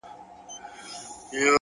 هره تجربه د ځان پېژندنې هنداره ده!.